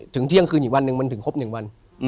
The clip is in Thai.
ถึงเที่ยงคืนอีกวันนึงมันถึงครบนึงวัน